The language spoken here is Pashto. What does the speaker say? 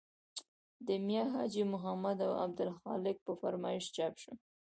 د میا حاجي محمد او عبدالخالق په فرمایش چاپ شو.